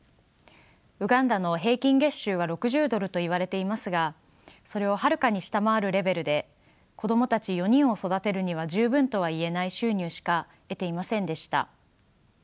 ウガンダの平均月収は６０ドルと言われていますがそれをはるかに下回るレベルで子供たち４人を育てるには十分とは言えない収入しか得ていませんでした。